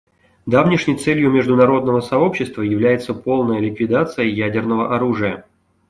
Давнишней целью международного сообщества является полная ликвидация ядерного оружия.